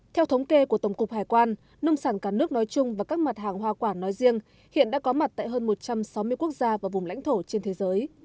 theo thống kê của tổng cục hải quan nông sản cả nước nói chung và các mặt hàng hoa quả nói riêng hiện đã có mặt tại hơn một trăm sáu mươi quốc gia và vùng lãnh thổ trên thế giới